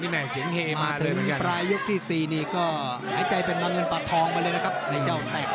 มันลุยบรวรรดิมันถึงระห